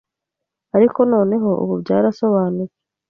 ariko noneho ubu byarasobanutse.